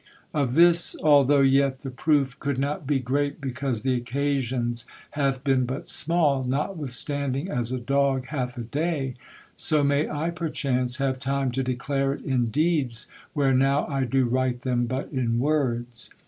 Of this althogth yet the profe could not be greate because the occasions hath bine but smal, notwithstandinge as a dog hathe a day, so may I perchaunce haue time to declare it in dides wher now I do write them but in wordes.